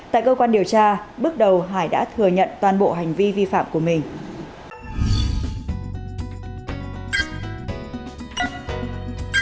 tại cơ quan điều tra bước đầu hải đã thừa nhận toàn bộ hành vi vi phạm của mình